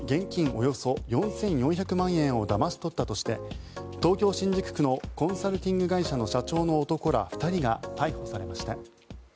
およそ４４００万円をだまし取ったとして東京・新宿区のコンサルティング会社の男ら２人が逮捕されました。